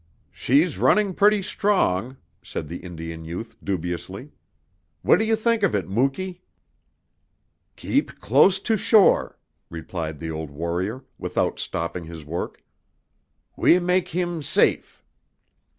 "She's running pretty strong," said the Indian youth dubiously. "What do you think of it, Muky?" "Keep close to shore," replied the old warrior, without stopping his work. "We mak' heem safe!"